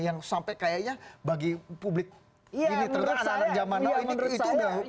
yang sampai kayaknya bagi publik ini ternyata anak anak zaman lalu itu udah mengakar sekali